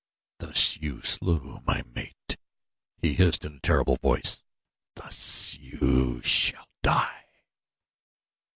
"Thus you slew my mate," he hissed in a terrible voice. "Thus shall you die!"